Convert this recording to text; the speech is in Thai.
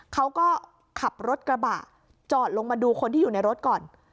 เขาก็ขับรถกระบะจอดลงมาดูคนที่อยู่ในรถก่อน